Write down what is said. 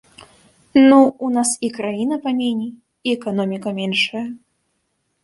Ну, у нас і краіна паменей, і эканоміка меншая.